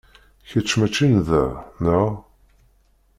Kečč mačči n da, neɣ?